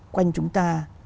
quanh chúng ta